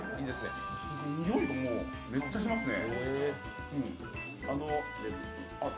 においがもうめっちゃしますね。